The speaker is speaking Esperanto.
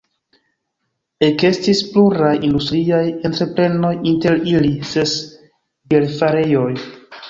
Ekestis pluraj industriaj entreprenoj, inter ili ses bierfarejoj.